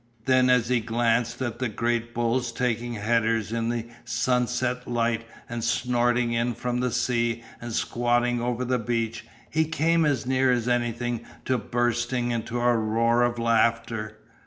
Then, as he glanced at the great bulls taking headers in the sunset light and snorting in from the sea and squatting over the beach, he came as near as anything to bursting into a roar of laughter.